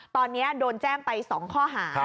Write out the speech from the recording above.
ตอนนี้โดนแจ้งไป๒ข้อหา